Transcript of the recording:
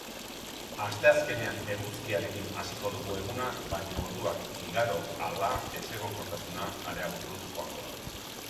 Asteazkenean eguzkiarekin hasiko dugu eguna baina orduak igaro ahala ezegonkortasuna areagotuz joango da.